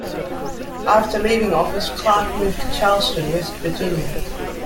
After leaving office, Clark moved to Charleston, West Virginia.